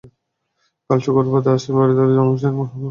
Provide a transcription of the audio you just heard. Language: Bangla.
কাল শুক্রবার বাদ আসর বারিধারা জামে মসজিদে মরহুমার কুলখানি অনুষ্ঠিত হবে।